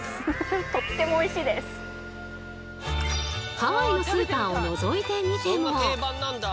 ハワイのスーパーをのぞいてみても。